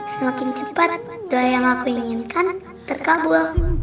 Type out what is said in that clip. semakin cepat doa yang aku inginkan terkabul